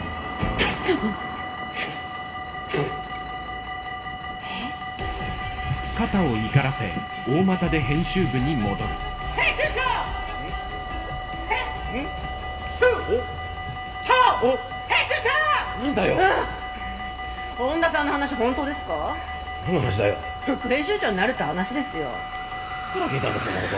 どっから聞いたんだそんなこと。